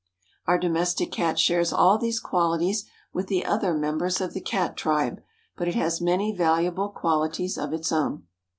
Our Domestic Cat shares all these qualities with the other members of the Cat tribe, but it has many valuable qualities of its own.